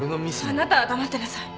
あなたは黙ってなさい。